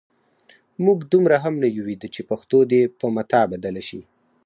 موږ دومره هم نه یو ویده چې پښتو دې په متاع بدله شي.